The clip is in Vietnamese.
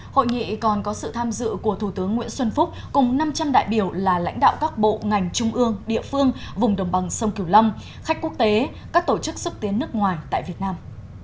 hội nghị còn có sự tham dự của thủ tướng nguyễn xuân phúc cùng năm trăm linh đại biểu là lãnh đạo các bộ ngành trung ương địa phương vùng đồng bằng sông kiều lâm khách quốc tế các tổ chức xúc tiến nước ngoài tại việt nam